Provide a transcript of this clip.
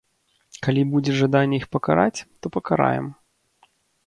Калі будзе жаданне іх пакараць, то пакараем.